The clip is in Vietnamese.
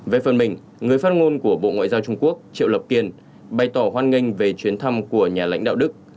về phần mình người phát ngôn của bộ ngoại giao trung quốc triệu lọc kiên bày tỏ hoan nghênh về chuyến thăm của nhà lãnh đạo đức